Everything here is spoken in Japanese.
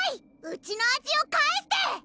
うちの味を返して！